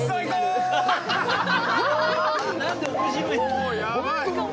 もうやばい。